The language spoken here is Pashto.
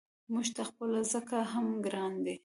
موږ ته خپله ځکه هم ګران دی.